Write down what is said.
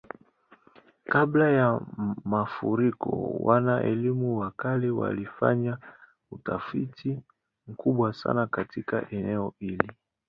Kabla ya mafuriko, wana-elimu wa kale walifanya utafiti mkubwa sana katika eneo hili.